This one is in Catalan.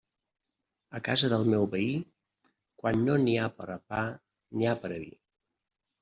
A casa del meu veí, quan no n'hi ha per a pa, n'hi ha per a vi.